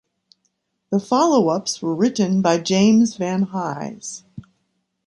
The follow-ups were written by James Van Hise.